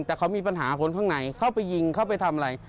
แต่เขามีปัญหาคนข้างในเข้าไปยิงเข้าไปทำอะไร